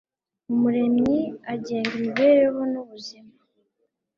umuremyi agenga imibereho n'ubuzima